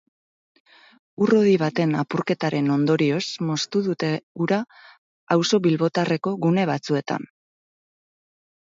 Ur-hodi baten apurketaren ondorioz moztu dute ura auzo bilbotarreko gune batzuetan.